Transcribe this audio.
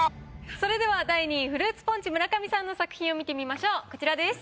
それでは第２位フルーツポンチ・村上さんの作品を見てみましょうこちらです。